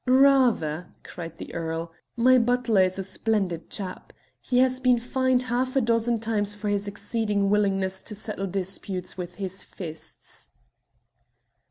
"Rather," cried the earl. "My butler is a splendid chap. He has been fined half a dozen times for his exceeding willingness to settle disputes with his fists."